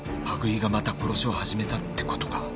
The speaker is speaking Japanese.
羽喰がまた殺しを始めたってことか。